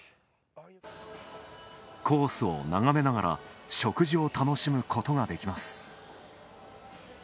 コースを眺めながら、食事を楽しむことができます。